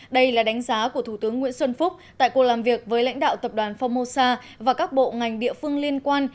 đây là đánh giá của thủ tướng nguyễn xuân phúc tại cuộc làm việc với lãnh đạo tập đoàn phongmosa và các bộ ngành địa phương liên quan